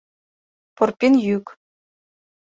Порпин йӱк.